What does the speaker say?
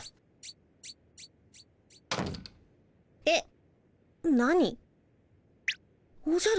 えっ？